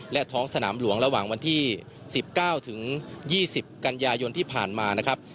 และท้องสนามหลวงระหว่างวันที่๑๙ถึง๒๐กันยายนที่ผ่านมานะครับ